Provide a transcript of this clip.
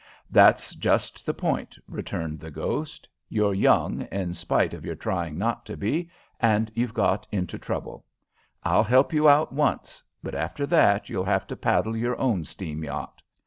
"That's just the point," returned the ghost. "You're young, in spite of your trying not to be, and you've got into trouble. I'll help you out once, but after that you'll have to paddle your own steam yacht.